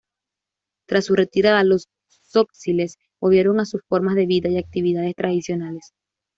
Tras su retirada, los tzotziles volvieron a sus formas de vida y actividades tradicionales.